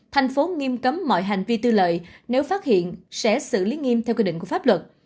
thành phố nghiêm cấm mọi hành vi tư lợi nếu phát hiện sẽ xử lý nghiêm theo quy định của pháp luật